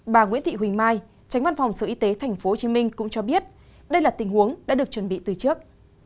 bà nguyễn thị huỳnh mai tránh văn phòng sở y tế tp hcm cũng cho biết đây là tình huống đã được chuẩn bị từ trước